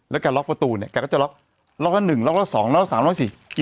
แล้วแกล็อคประตูเนี่ยแกก็จะล็อคล็อคละหนึ่งล็อคละสองล็อคละสามล็อคละสี่